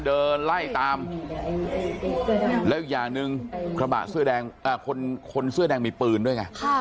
เดินไล่ตามแล้วอีกอย่างนึงคนเสื้อแดงมีปืนด้วย